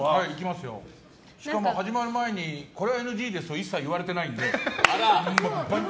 しかも始まる前にこれはＮＧとか言われてないので。